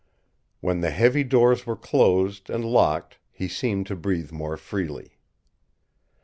When the heavy doors were closed and locked he seemed to breathe more freely.